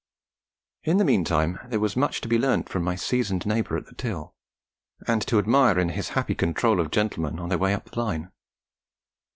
In the meantime there was much to be learnt from my seasoned neighbour at the till, and to admire in his happy control of gentlemen on their way up the Line.